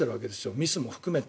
ミスも含めて。